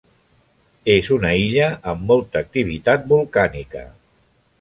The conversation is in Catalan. És una illa amb molta activitat volcànica.